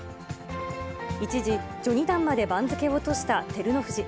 一時、序二段まで番付を落とした照ノ富士。